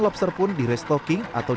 lobster pun dire stocking atau